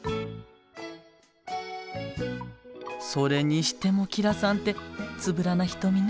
それにしても吉良さんってつぶらな瞳ね。